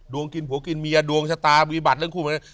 ดวงกินผัวกินเมียดวงชะตามีบัตรเล่นคู่มัน